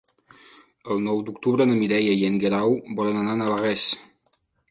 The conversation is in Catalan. El nou d'octubre na Mireia i en Guerau volen anar a Navarrés.